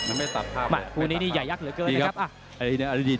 มาครู้นี้นี้ใหญ่ยักษ์เหลือเกินนะครับ